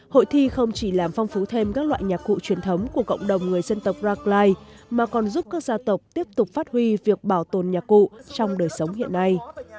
hội thi không chỉ làm phong phú thêm các loại nhạc cụ truyền thống của cộng đồng người dân tộc rackline mà còn giúp các gia tộc tiếp tục phát huy việc bảo tồn nhà cụ trong đời sống hiện nay